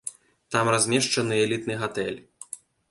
Там размешчаны элітны гатэль.